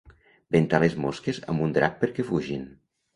Ventar les mosques amb un drap perquè fugin.